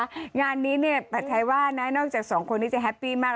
เชฟงานนี้ปัชฌไทว่านอกจาก๒คนนี้จะแฮปปี้มาก